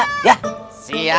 siap bos idan